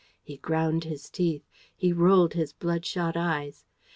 He ground his teeth. He rolled his bloodshot eyes.